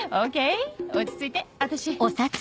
落ち着いて私！